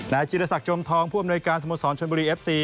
จิรษักจมทองผู้อำนวยการสโมสรชนบุรีเอฟซี